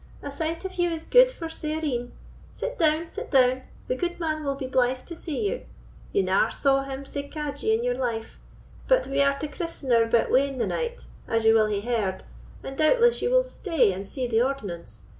A sight of you is gude for sair een. Sit down—sit down; the gudeman will be blythe to see you—ye nar saw him sae cadgy in your life; but we are to christen our bit wean the night, as ye will hae heard, and doubtless ye will stay and see the ordinance.